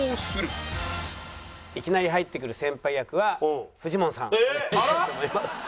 いきなり入ってくる先輩役はフジモンさんお願いしたいと思います。